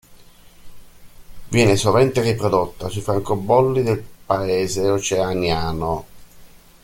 Viene sovente riprodotta sui francobolli del Paese oceaniano.